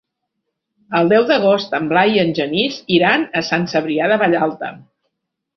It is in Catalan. El deu d'agost en Blai i en Genís iran a Sant Cebrià de Vallalta.